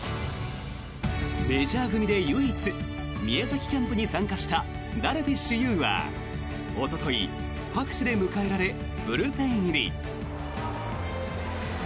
メジャー組で唯一宮崎キャンプに参加したダルビッシュ有はおととい、拍手で迎えられブルペン入り。